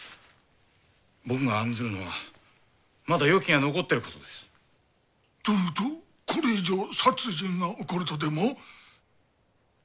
僕が案ずるのはまだ斧が残ってることです。というとこれ以上殺人が起こるとでも？